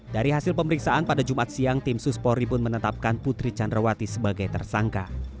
dari hasil pemeriksaan pada jumat siang tim suspori pun menetapkan putri candrawati sebagai tersangka